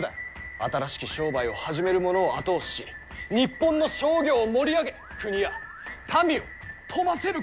新しき商売を始める者を後押しし、日本の商業を盛り上げ国や民を富ませることができる！